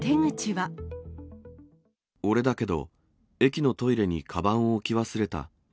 俺だけど、駅のトイレにかばんを置き忘れた。